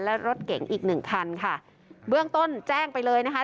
และรถเก๋งอีกหนึ่งคันค่ะเบื้องต้นแจ้งไปเลยนะคะ